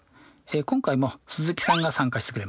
今回も鈴木さんが参加してくれます。